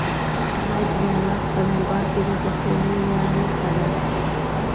حج د الله په دربار کې د تسلیمۍ لوړه نښه ده.